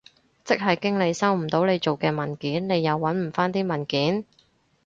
即係經理收唔到你做嘅文件，你又搵唔返啲文件？